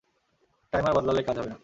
Timer বদলালেই কাজ হবে না!